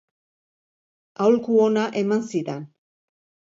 Aholku ona eman zidan.